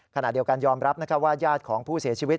ขณะเดียวกันยอมรับว่าญาติของผู้เสียชีวิต